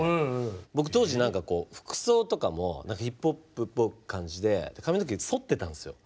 僕当時何かこう服装とかもヒップホップっぽい感じで髪の毛そってたんですよ。